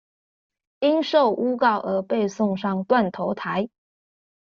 因受誣告而被送上斷頭臺